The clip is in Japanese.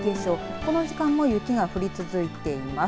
この時間も雪が降り続いています。